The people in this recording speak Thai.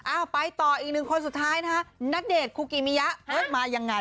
ไปต่ออีกหนึ่งคนสุดท้ายนะฮะณเดชน์คุกิมิยะมายังไง